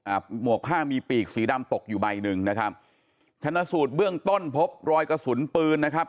หมวกผ้ามีปีกสีดำตกอยู่ใบหนึ่งนะครับชนะสูตรเบื้องต้นพบรอยกระสุนปืนนะครับ